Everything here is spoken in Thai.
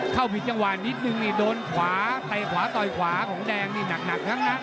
เข้าผิดจังหวะนิดนึงนี่โดนขวาเตะขวาต่อยขวาของแดงนี่หนักทั้งนั้น